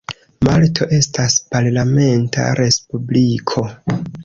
Malto estas parlamenta respubliko.